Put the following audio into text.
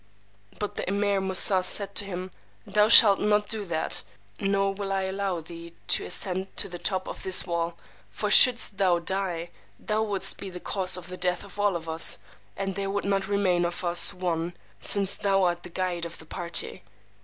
But the Emeer Moosà said to him, Thou shalt not do that, nor will I allow thee to ascend to the top of this wall; for shouldst thou die, thou wouldst be the cause of the death of us all, and there would not remain of us one; since thou art the guide of the party.